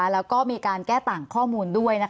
แล้วก็มีการแก้ต่างข้อมูลด้วย